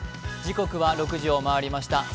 時刻は６時を回りました。